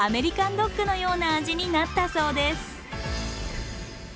ドッグのような味になったそうです。